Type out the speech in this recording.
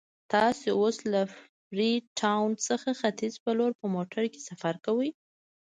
تاسو اوس له فري ټاون څخه ختیځ په لور په موټر کې سفر کوئ.